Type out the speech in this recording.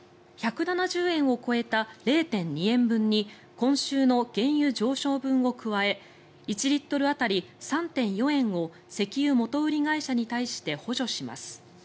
１７０円を超えた０．２円分に今週の原油上昇分を加え１リットル当たり３．４円を石油元売り会社に対して補助します。